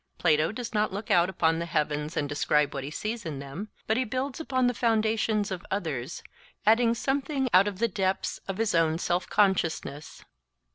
Plato does not look out upon the heavens and describe what he sees in them, but he builds upon the foundations of others, adding something out of the 'depths of his own self consciousness.